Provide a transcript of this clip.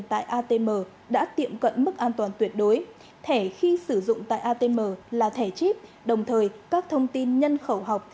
tại atm đã tiệm cận mức an toàn tuyệt đối thẻ khi sử dụng tại atm là thẻ chip đồng thời các thông tin nhân khẩu học